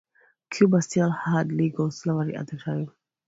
Cuba still had legal slavery at the time.